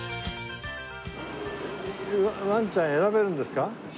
ワンちゃん選べるんですか？